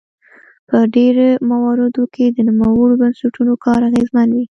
په ډیری مواردو کې د نوموړو بنسټونو کار اغیزمن وي.